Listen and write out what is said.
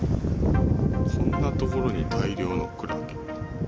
こんな所に大量のクラゲ。